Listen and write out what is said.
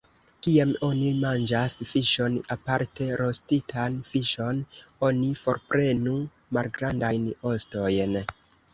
Kiam oni manĝas fiŝon, aparte rostitan fiŝon, oni forprenu malgrandajn ostojn.